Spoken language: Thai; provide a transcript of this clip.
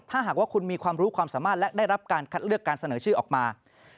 ถ้าหากว่าคุณมีความรู้ความสามารถและได้รับการคัดเลือกการเสนอชื่อออกมา